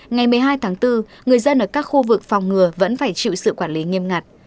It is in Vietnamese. ngày một mươi hai tháng bốn người dân ở các khu vực phòng ngừa vẫn phải chịu sự quản lý nghiêm ngặt